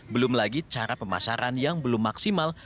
belum lagi cara pemasaran yang belum maksimal